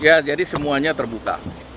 ya jadi semuanya terbuka